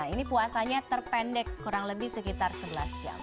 ini puasanya terpendek kurang lebih sekitar sebelas jam